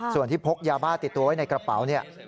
ส่วนที่พกยาบ้าติดตัวไว้ในกระเป๋าเนี่ย